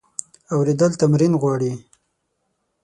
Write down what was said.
اورېدل تمرین غواړي.